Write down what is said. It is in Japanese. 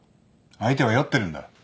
相手は酔ってるんだ。